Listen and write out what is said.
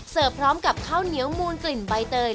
เสิร์ฟพร้อมกับข้าวเนี๊ยวมูลกลิ่นใบเตย